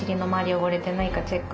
汚れてないかチェック